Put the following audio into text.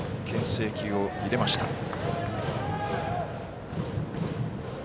けん制球を入れました。